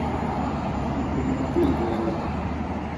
Akunda kwigenga